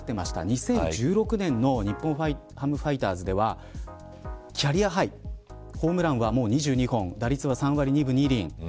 ２０１６年の日本ハムファイターズではキャリアハイホームランは２２本打率は３割２分２厘。